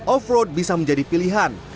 offroad bisa menjadi pilihan